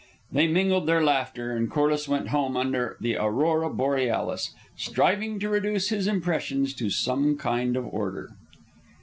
They mingled their laughter, and Corliss went home under the aurora borealis, striving to reduce his impressions to some kind of order.